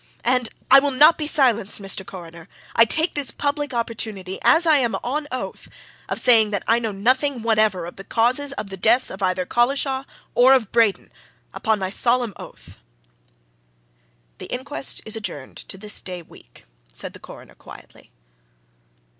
And I will not be silenced, Mr. Coroner! I take this public opportunity, as I am on oath, of saying that I know nothing whatever of the causes of the deaths of either Collishaw or of Braden upon my solemn oath!" "The inquest is adjourned to this day week," said the Coroner quietly.